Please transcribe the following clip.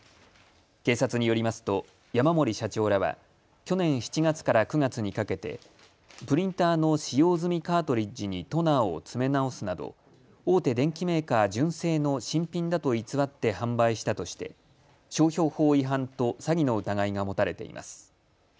警察によりますと山森社長らは去年７月から９月にかけてプリンターの使用済みカートリッジにトナーを詰め直すなど大手電機メーカー純正の新品だと偽って販売したとして商標法違反と詐欺の疑いが持たれています。